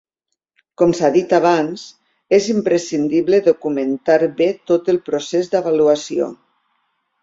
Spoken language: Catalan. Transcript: Com s’ha dit abans, és imprescindible documentar bé tot el procés d’avaluació.